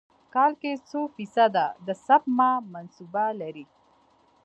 کال کې څو فیص ده د سپما منصوبه لرئ؟